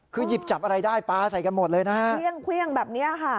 คือหยิบจับอะไรได้ปลาใส่กันหมดเลยนะฮะเครื่องเครื่องแบบเนี้ยค่ะ